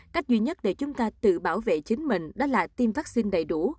cách duy nhất để chúng ta tự bảo vệ chính mình đó là tiêm vaccine đầy đủ